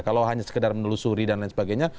kalau hanya sekedar menelusuri dan lain sebagainya